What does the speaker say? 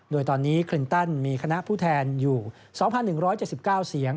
โดยตอนนี้คลินตันมีคณะผู้แทนอยู่๒๑๗๙เสียง